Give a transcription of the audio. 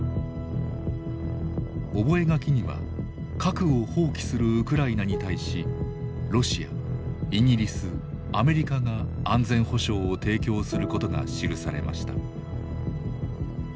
覚書には核を放棄するウクライナに対しロシアイギリスアメリカが安全保障を提供することが記されました。